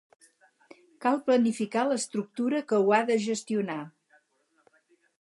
Cal planificar l’estructura que ho ha de gestionar.